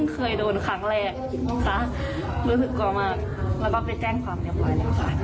เคยโดนครั้งแรกซะรู้สึกกลัวมากแล้วก็ไปแจ้งความเรียบร้อยแล้วค่ะ